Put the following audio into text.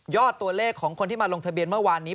ตัวเลขของคนที่มาลงทะเบียนเมื่อวานนี้